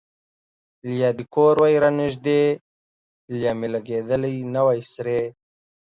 لیا دې کور وای را نژدې ـ لیا مې لیدلګې نه وای سرې